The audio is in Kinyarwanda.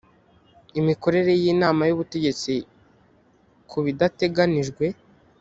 imikorere y inama y ubutegetsi ku bidateganijwe